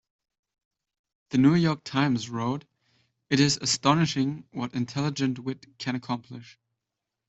"The New York Times" wrote, "It is astonishing what intelligent wit can accomplish".